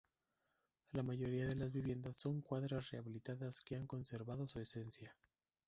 La mayoría de las viviendas son cuadras rehabilitadas que han conservado su esencia.